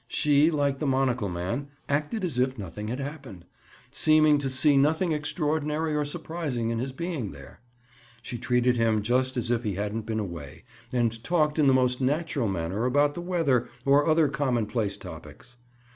She, like the monocle man, acted as if nothing had happened, seeming to see nothing extraordinary or surprising in his being there. She treated him just as if he hadn't been away and talked in the most natural manner about the weather or other commonplace topics.